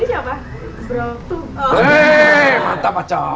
grace memberikan kepercayaan kepadamu